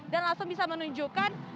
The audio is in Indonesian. dan langsung bisa menunjukkan